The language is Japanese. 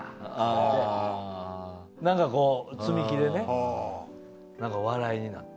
なんかこう積み木でねなんか笑いになって。